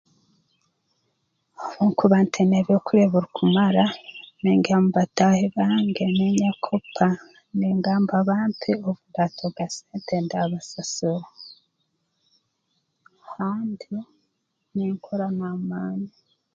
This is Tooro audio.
Obu nkuba ntaine byokulya ebirukumara ningenda mu bataahi bange ninyekopa ningamba abantu obu ndaatunga sente ndaabasasura kandi ninkora n'amaani